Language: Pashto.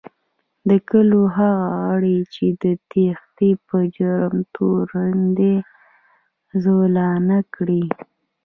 د کلو هغه غړي چې د تېښتې په جرم تورن دي، زولانه کړي